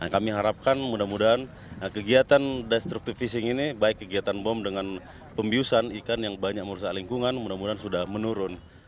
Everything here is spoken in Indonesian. kami harapkan mudah mudahan kegiatan destructive fishing ini baik kegiatan bom dengan pembiusan ikan yang banyak merusak lingkungan mudah mudahan sudah menurun